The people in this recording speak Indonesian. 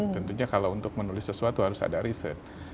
tentunya kalau untuk menulis sesuatu harus ada riset